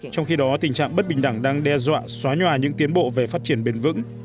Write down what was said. trong khi đó tình trạng bất bình đẳng đang đe dọa xóa nhòa những tiến bộ về phát triển bền vững